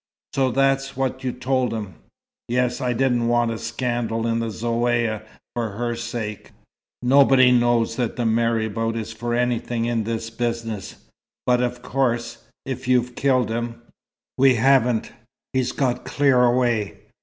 "So that's what you told him?" "Yes. I didn't want a scandal in the Zaouïa, for her sake. Nobody knows that the marabout is for anything in this business. But, of course, if you've killed him " "We haven't. He's got clear away.